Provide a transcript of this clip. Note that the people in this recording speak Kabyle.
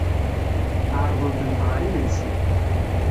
Ɛerḍen-tent ɣer imensi.